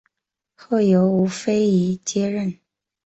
后由吴棐彝接任。